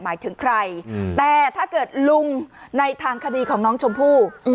หมายถึงใครแต่ถ้าเกิดลุงในทางคดีของน้องชมพู่